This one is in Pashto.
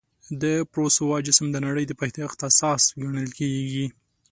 د پوروسا جسم د نړۍ د پیدایښت اساس ګڼل کېږي.